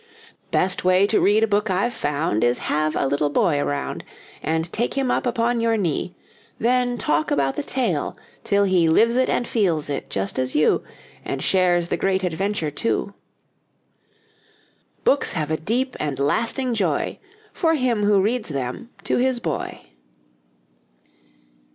Best way to read a book I've found Is have a little boy around And take him up upon your knee; Then talk about the tale, till he Lives it and feels it, just as you, And shares the great adventure, too. Books have a deep and lasting joy For him who reads them to his boy.